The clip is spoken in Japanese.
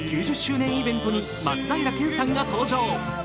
９０年イベントに松平健さんが登場。